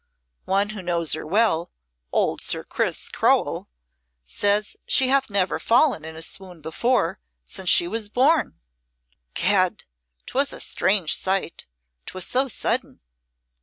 One who knows her well old Sir Chris Crowell says she hath never fallen in a swoon before since she was born. Gad! 'twas a strange sight 'twas so sudden."